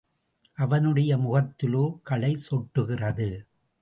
அவனுடைய முகத்திலோ களை சொட்டுகிறது.